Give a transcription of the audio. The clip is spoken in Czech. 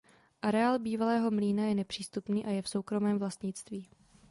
Areál bývalého mlýna je nepřístupný a je v soukromém vlastnictví.